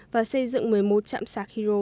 và xây dựng một mươi một chạm sạc hydro